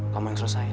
kamu yang selesain